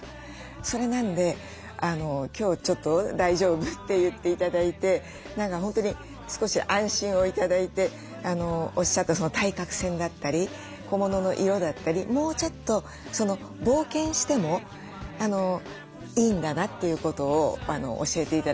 それなんで今日ちょっと大丈夫って言って頂いて何か本当に少し安心を頂いておっしゃった対角線だったり小物の色だったりもうちょっと冒険してもいいんだなということを教えて頂いた気がします。